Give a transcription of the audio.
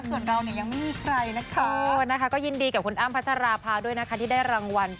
ส่วนเรายังไม่มีใคร